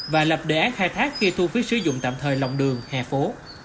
và lập đề án khai thác khi thu phí sử dụng tạm thời lòng đường hè phố